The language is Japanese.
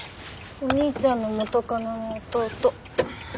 お兄ちゃんの元カノの弟。